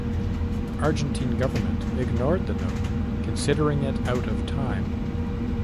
Argentine government ignored the note, "considering it out of time".